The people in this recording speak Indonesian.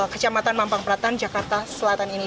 kecamatan mampang peratan jakarta selatan ini